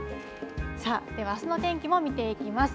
ではあすの天気も見ていきます。